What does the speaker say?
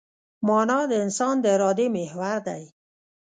مانا د انسان د ارادې محور دی.